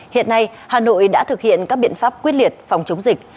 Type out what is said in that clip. hiện nay hà nội đã thực hiện các biện pháp quyết liệt phòng chống dịch